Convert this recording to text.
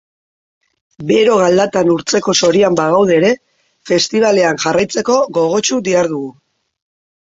Bero galdatan urtzeko zorian bagaude ere, festibalean jarraitzeko gogotsu dihardugu.